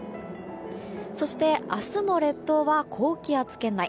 そして、明日も列島は高気圧圏内。